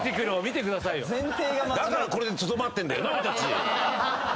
だからこれでとどまってんだよな俺たち。